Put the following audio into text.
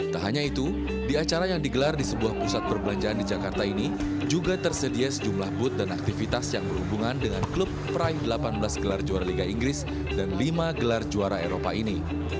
tak hanya itu di acara yang digelar di sebuah pusat perbelanjaan di jakarta ini juga tersedia sejumlah booth dan aktivitas yang berhubungan dengan klub peraih delapan belas gelar juara liga inggris dan lima gelar juara eropa ini